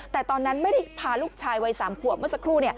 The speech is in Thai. แต่ตอนนั้นไม่ได้พาลูกชายวัย๓ขวบเมื่อสักครู่